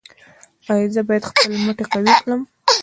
ایا زه باید خپل مټې قوي کړم؟